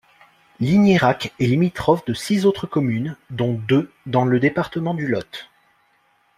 Ligneyrac est limitrophe de six autres communes, dont deux dans le département du Lot.